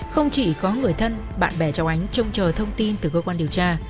không chỉ có người thân bạn bè cháu ánh trông chờ thông tin từ cơ quan điều tra